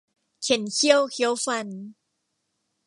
เข่นเขี้ยวเคี้ยวฟัน